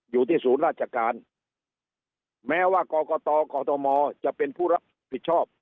อยู่ที่ศูนย์ราชการแม้ว่ากรกตกมจะเป็นผู้รับผิดชอบ